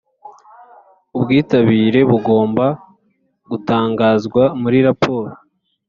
Ubwitabire bugomba gutangazwa muri raporo